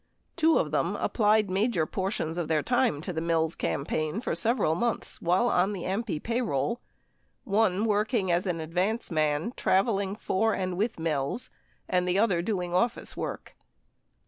Two of them applied major portions of their time to the Mills cam paign for several months while on the AMPI payroll; one working as an advance man traveling for and with Mills, and the other doing office work.